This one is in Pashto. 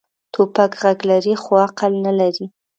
توپک غږ لري، خو عقل نه لري.